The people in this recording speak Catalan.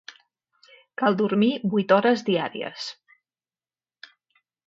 Cal dormir vuit hores diàries.